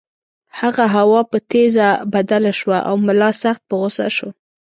هغه هوا په ټیز بدله شوه او ملا سخت په غُصه شو.